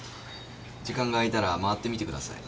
時間が空いたら回ってみてください。